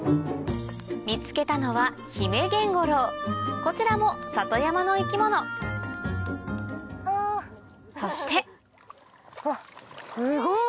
見つけたのはこちらも里山の生き物そしてすごい！